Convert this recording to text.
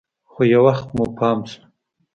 خو يو وخت مو پام سو.